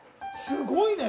すごいね。